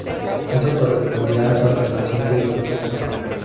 Eso correspondía a su afirmación filosófica.